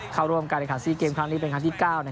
เขาร่วมการคาดีคันซีเกมครั้งนี้